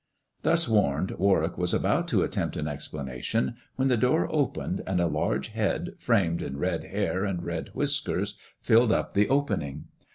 Thus warned, Warwick was about to attempt an explan ation, when the door opened, and a large head framed in red hair and red whiskers filled up the opening.